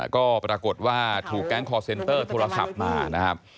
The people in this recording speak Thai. ก็ปรากฏว่าถูกแก๊งคอร์เซ็นเตอร์โทรศัพท์มานะครับ